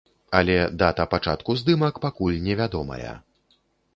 Але дата пачатку здымак пакуль не вядомая.